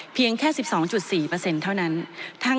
เพียงแค่๑๒๔เท่านั้น